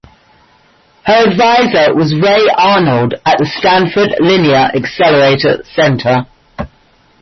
Her advisor was Ray Arnold at the Stanford Linear Accelerator Center.